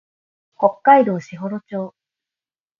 北海道士幌町